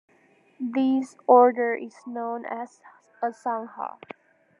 This order is known as a "sangha".